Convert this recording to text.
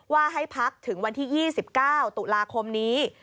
ว่าให้พักถึงวันที่๒๙ตุลาคมนี้